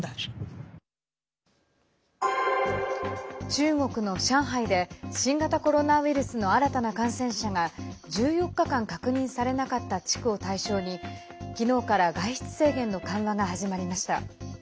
中国の上海で新型コロナウイルスの新たな感染者が、１４日間確認されなかった地区を対象にきのうから外出制限の緩和が始まりました。